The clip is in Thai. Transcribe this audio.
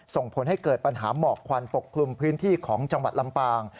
ส่งผลให้เกิดปัญหาหมอกควันปกคลุมพื้นที่ของจังหวัดลำปาง